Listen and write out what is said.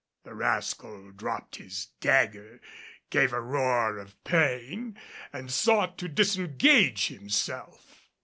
The rascal dropped his dagger, gave a roar of pain, and sought to disengage himself.